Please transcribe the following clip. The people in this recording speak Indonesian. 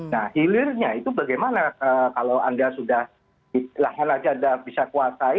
nah hilirnya itu bagaimana kalau anda sudah lahan saja anda bisa kuasai